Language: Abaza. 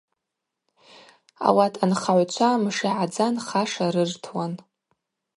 Ауат анхагӏвчва мшигӏадза нхаша рыртуан.